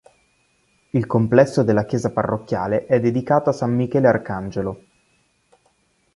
Il complesso della chiesa parrocchiale è dedicato a san Michele arcangelo.